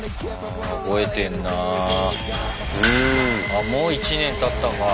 あもう１年たったか。